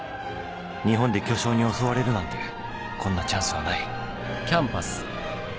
日本で巨匠に教われるなんてこんなチャンスはない］